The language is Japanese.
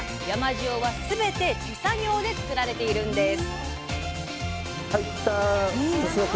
塩は全て手作業でつくられているんです。